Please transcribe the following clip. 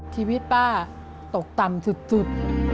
ชีวิตป้าตกต่ำสุด